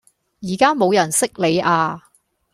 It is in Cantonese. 而家冇人識你呀